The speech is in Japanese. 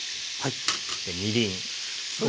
みりん。